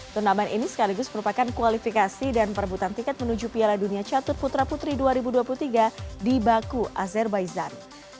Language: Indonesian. turnamen ini sekaligus merupakan kualifikasi dan perebutan tiket menuju piala dunia catur putra putri dua ribu dua puluh tiga di baku azerbaizan